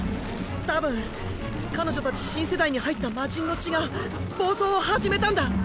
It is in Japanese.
たぶん彼女たち新世代に入った魔神の血が暴走を始めたんだ。